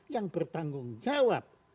yang bertanggung jawab